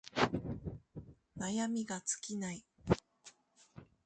悩みが尽きない